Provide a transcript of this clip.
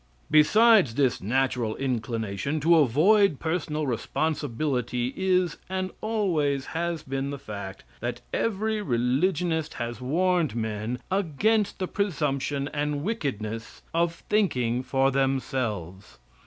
Besides this natural inclination to avoid personal responsibility is and always has been the fact that every religionist has warned men against the presumption and wickedness of thinking for themselves.